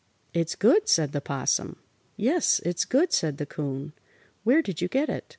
"It's good," said the 'Possum. "Yes, it's good," said the 'Coon. "Where did you get it?"